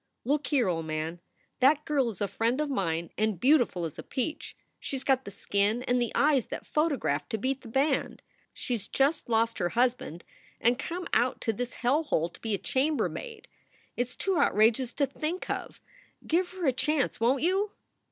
"Look here, old man. That girl is a friend of mine and beautiful as a peach. She s got the skin and the eyes that photograph to beat the band. She s just lost her husband and come out to this hell hole to be a chambermaid! It s too outrageous to think of. Give her a chance, won t you?"